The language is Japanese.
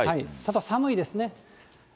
ただ寒いですね。